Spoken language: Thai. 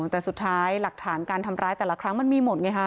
แต่สุดท้ายหลักฐานการทำร้ายแต่ละครั้งมันมีหมดไงฮะ